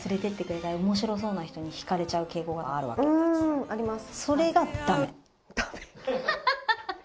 うんあります。